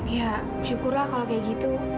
ya syukurlah kalau kayak gitu